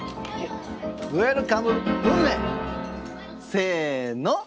せの！